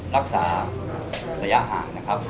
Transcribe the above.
รักษาระยะห่างนะครับ